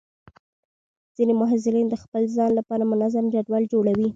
ځینې محصلین د خپل ځان لپاره منظم جدول جوړوي.